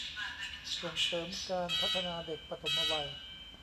ส่งเสริมการพัฒนาเด็กปฐมวัย